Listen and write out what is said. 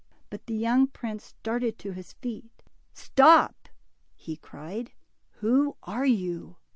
But the young prince started to hjs feet. Stop," 58 DIMPLE. he cried, who are you?